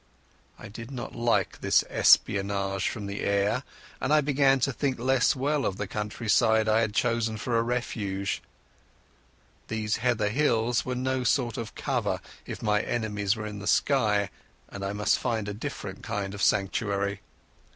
I did not like this espionage from the air, and I began to think less well of the countryside I had chosen for a refuge. These heather hills were no sort of cover if my enemies were in the sky, and I must find a different kind of sanctuary.